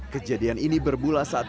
kejadian ini berbulas saat